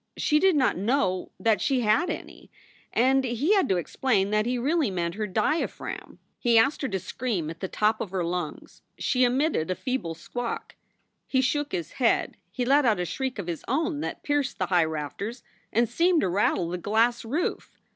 She did not know that she had any, and he had to explain that he really meant her diaphragm. He asked her to scream at the top of her lungs. She emitted a feeble squawk. He shook his head. He let out a shriek of his own that pierced the high rafters and seemed to rattle the glass roof.